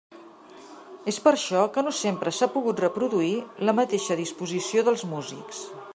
És per això que no sempre s'ha pogut reproduir la mateixa disposició dels músics.